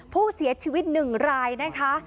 ผู้เสียชีวิต๑รายนะคะ